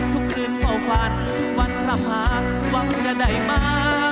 ทุกคืนเฝ้าฝันวันพระพาหวังจะได้มา